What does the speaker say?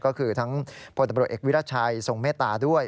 ก็คือทั้งพลตำรวจเอกวิรัชัยทรงเมตตาด้วย